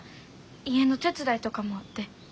家の手伝いとかもあって。